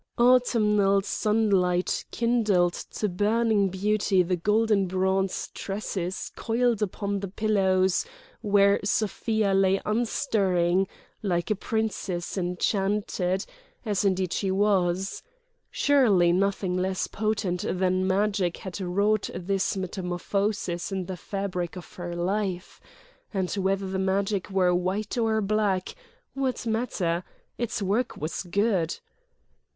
Autumnal sunlight kindled to burning beauty the golden bronze tresses coiled upon the pillows where Sofia lay unstirring, like a princess enchanted—as indeed she was. Surely nothing less potent than magic had wrought this metamorphosis in the fabric of her life! And whether the magic were white or black—what matter? Its work was good.